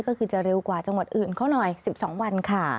ก็คือจะเร็วกว่าจังหวัดอื่นเขาหน่อย๑๒วันค่ะ